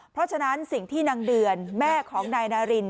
เพราะฉะนั้นสิ่งที่นางเดือนแม่ของนายนาริน